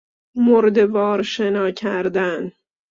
مرده وار شنا کردن